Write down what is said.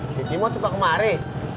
si cimot suka kemari